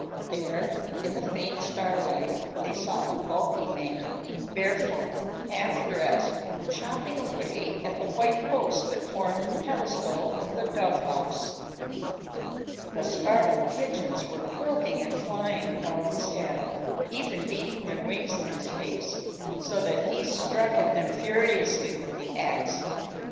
There, in the faint starlight, they saw a bulky man, barefoot, half dressed, chopping away at the white post that formed the pedestal of the dove house. The startled pigeons were croaking and flying about his head, even beating their wings in his face, so that he struck at them furiously with the axe.